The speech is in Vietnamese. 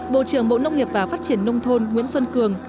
bộ trưởng bộ nông nghiệp và phát triển nông thôn nguyễn xuân cường